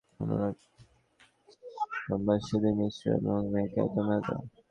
এখানে বিচারক হিসেবে ছিলেন অনুরাগ কাশ্যপ, সুধীর মিশ্র এবং কেতন মেহতা।